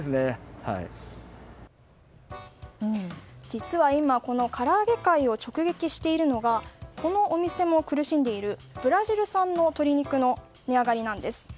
実は今、から揚げ界を直撃しているのがこのお店も苦しんでいるブラジル産の鶏肉の値上がりなんです。